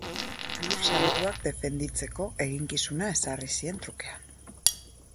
Lur Santuak defenditzeko eginkizuna ezarri zien trukean.